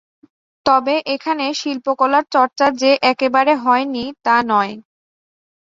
তবে এখানে শিল্পকলার চর্চা যে একেবারে হয়নি তা নয়।